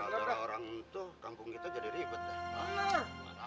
ngerabah orang tuh kampung kita jadi ribet dah